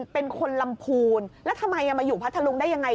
เป็นคนลำพูนแล้วทำไมมาอยู่พัทธลุงได้ยังไง